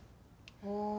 ああ。